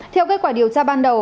theo kết quả điều tra ban đầu